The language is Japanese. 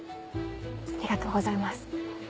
ありがとうございます。